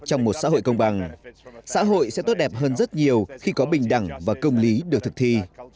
trong một xã hội công bằng xã hội sẽ tốt đẹp hơn rất nhiều khi có bình đẳng và công lý được thực thi